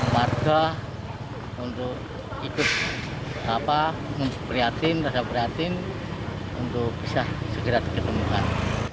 markah untuk ikut perhatian rasa perhatian untuk bisa segera ditemukan